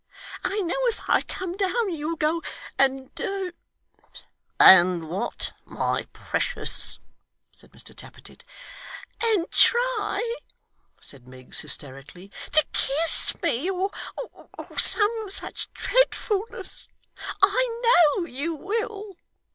I know if I come down, you'll go, and ' 'And what, my precious?' said Mr Tappertit. 'And try,' said Miggs, hysterically, 'to kiss me, or some such dreadfulness; I know you will!